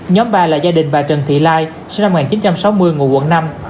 nhóm ba là gia đình bà trần thị lai sinh năm một nghìn chín trăm sáu mươi ngụ quận năm